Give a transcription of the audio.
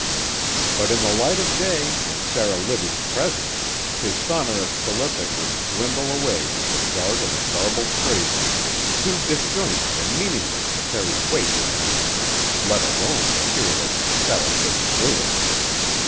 But in the light of day and Sarah Libbie's presence, his sonorous philippic would dwindle away into a jargon of garbled phrases too disjointed and meaningless to carry weight with any woman, let alone the peerless Sarah Libbie Lewis.